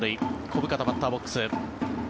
小深田、バッターボックス。